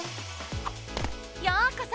ようこそ！